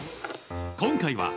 今回は。